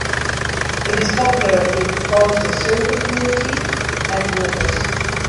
It is popular with both the surfing community and walkers.